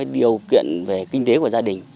điều kiện về kinh tế của gia đình